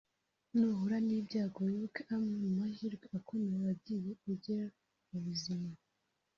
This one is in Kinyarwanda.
nuhura n’ibyago wibuke amwe mu mahirwe akomeye wagiye ugira mu buzima